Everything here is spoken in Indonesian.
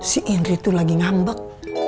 si indri tuh lagi ngambek